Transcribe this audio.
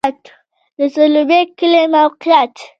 د سروبی کلی موقعیت